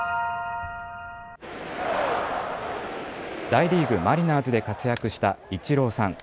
大リーグ・マリナーズで活躍したイチローさん。